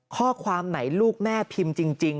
ข้อความไหนลูกแม่พิมพ์จริง